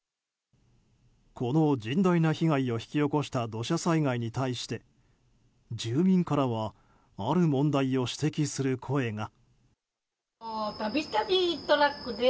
この甚大な被害を引き起こした土砂災害に対して住民からはある問題を指摘する声が。